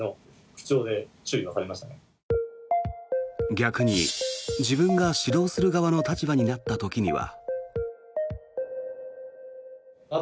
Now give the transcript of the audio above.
逆に自分が指導する側の立場になった時には。